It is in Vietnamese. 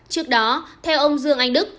trước đó theo ông dương anh đức